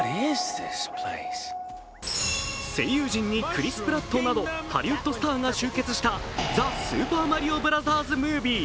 声優陣にクリス・プラットなどハリウッドスターが集結した「ザ・スーパーマリオブラザーズ・ムービー」。